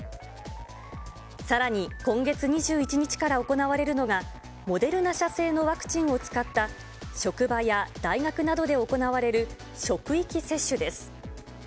さらに今月２１日から行われるのが、モデルナ社製のワクチンを使った、職場や大学などで行われる職域接種です。